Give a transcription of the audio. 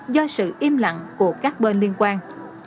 do sự im lặng của các bên liên quan